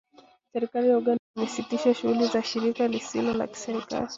Serikali ya Uganda imesitisha shughuli za shirika lisilo la kiserikali